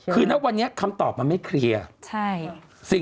คือณวันนี้คำตอบมันไม่เคลียร์